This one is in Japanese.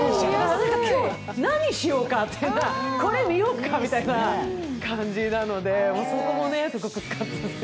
今日、何しようかという、これ見よっかみたいな感じなので、そこもすごくスカッとする。